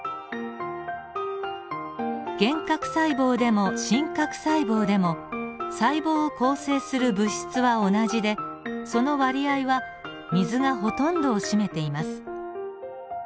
原核細胞でも真核細胞でも細胞を構成する物質は同じでその割合は水がほとんどを占めています。